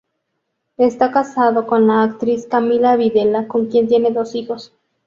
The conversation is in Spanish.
Está casado con la actriz Camila Videla con quien tiene dos hijos.